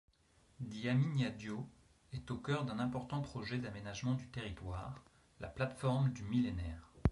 Diamniadio est au cœur d'un important projet d'aménagement du territoire, la Plateforme du Millénaire.